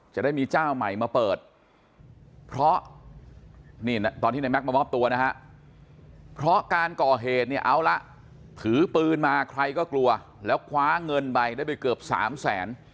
จะได้มีเจ้าใหม่มาเปิดเพราะนี่ตอนที่ในแก๊กมามอบตัวนะฮะเพราะการก่อเหตุเนี่ยเอาละถือปืนมาใครก็กลัวแล้วคว้าเงินไปได้ไปเกือบสามแสน